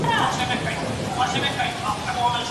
د ډنډ ترڅنګ به د ږدن او مڼې ځای ړنګ نه سي.